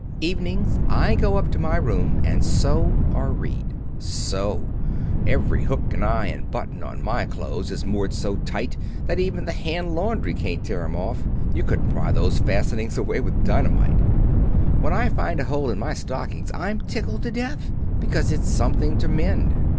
"Evenings I go up to my room and sew or read. Sew! Every hook and eye and button on my clothes is moored so tight that even the hand laundry can't tear 'em off. You couldn't pry those fastenings away with dynamite. When I find a hole in my stockings I'm tickled to death, because it's something to mend.